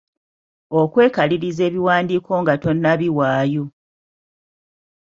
Okwekaliriza ebiwandiiko nga tonnabiwaayo.